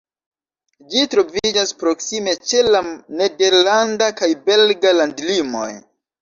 Ĝi troviĝas proksime ĉe la nederlanda kaj belga landlimoj.